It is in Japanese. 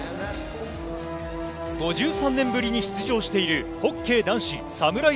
５３年ぶりに出場している、ホッケー男子サムライ